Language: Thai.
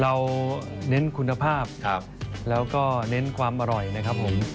เน้นคุณภาพแล้วก็เน้นความอร่อยนะครับผม